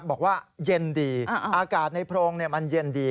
บอกว่าเย็นดีอากาศในโพรงมันเย็นดี